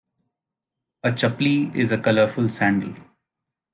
A "chaplis" is typically a colourful sandal.